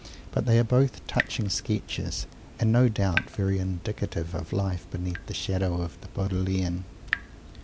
But they are both touching sketches, and, no doubt, very indicative of Life beneath the shadow of the Bodleian.